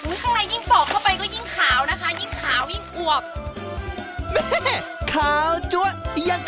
ข้างในยิ่งปอกเข้าไปก็ยิ่งขาวนะคะยิ่งขาวยิ่งอวบ